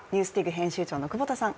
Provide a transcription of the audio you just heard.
編集長の久保田さん